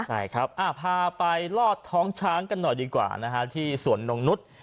ใช่ครับพาไปลอดท้องช้างกันหน่อยดีกว่านะฮะที่สวนนงนุษย์